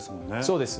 そうです。